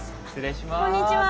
こんにちは。